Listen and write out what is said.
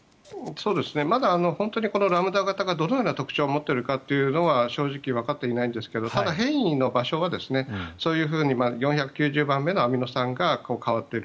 まだ本当にこのラムダ型がどのような特徴を持っているのかわかっていないんですがただ、変異の場所はそういうふうに４９０番目のアミノ酸が変わっている。